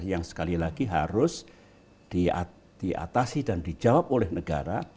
yang sekali lagi harus diatasi dan dijawab oleh negara